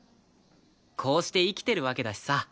こうして生きてるわけだしさ。